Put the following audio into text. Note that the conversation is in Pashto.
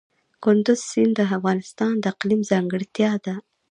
کندز سیند د افغانستان د اقلیم ځانګړتیا ده.